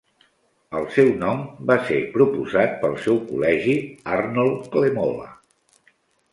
El seu nom va ser proposat pel seu col·legi Arnold Klemola.